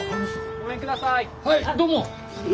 ごめんください。